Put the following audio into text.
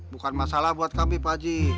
bukan masalah buat kami paji